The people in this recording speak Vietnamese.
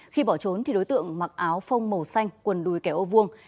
khi bỏ trốn thì đối tượng mặc áo phông màu xanh quần đùi kẻ ô vuông